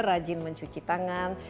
rajin mencuci tangan